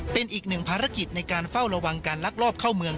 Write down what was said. เป็นอีกหนึ่งภารกิจในการเฝ้าระวังการลักลอบเข้าเมือง